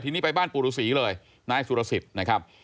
ทีนี้ไปบ้านปู่ฤษีเลยนายสุรสิทธิ์นะครับ